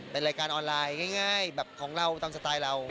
เป็นรายการออนไลน์ง่ายแบบของเราตามสไตล์เรา